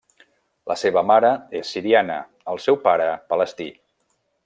La seva mare és siriana, el seu pare palestí.